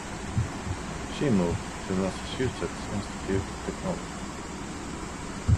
She moved to Massachusetts Institute of Technology.